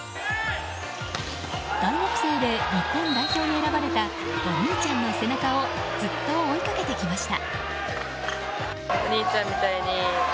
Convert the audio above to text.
大学生で日本代表に選ばれたお兄ちゃんの背中をずっと追いかけてきました。